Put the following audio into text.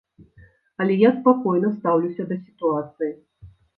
Але я спакойна стаўлюся да сітуацыі.